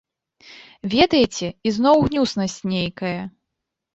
Ведаеце, ізноў гнюснасць нейкая.